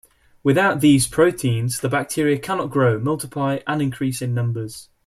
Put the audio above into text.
Without these proteins, the bacteria cannot grow, multiply and increase in numbers.